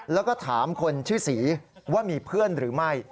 แล้วก็ถามคนชื่อศรีว่ามีเพื่อนหรือไม่